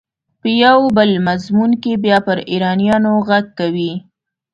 په یو بل مضمون کې بیا پر ایرانیانو غږ کوي.